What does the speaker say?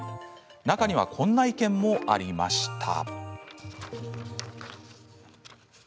中には、こんな意見もありました。